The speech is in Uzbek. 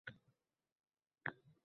Men borib bir surishtirib ko‘ray-chi